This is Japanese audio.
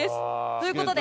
ということで。